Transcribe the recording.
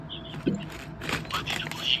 عقدې او کینې تر زغم او مینې ډېرې مضرې دي.